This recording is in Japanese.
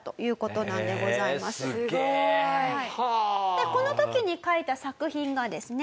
でこの時に書いた作品がですね